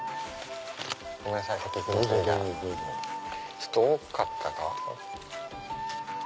ちょっと多かったか？